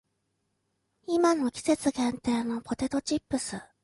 今の季節限定のポテトチップス